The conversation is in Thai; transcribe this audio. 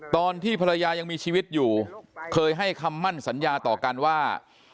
ตอนที่ภรรยายังมีชีวิตอยู่เคยให้คำมั่นสัญญาต่อกันว่า